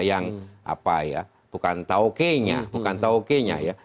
yang apa ya bukan tauke nya bukan tauke nya ya